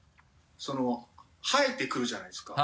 生えてくるじゃないですか。